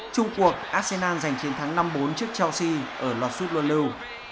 trung cuộc arsenal giành chiến thắng năm bốn trước chelsea ở loạt suốt luân lưu